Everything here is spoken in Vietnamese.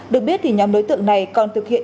được biết thì nhóm đối tượng này còn thực hiện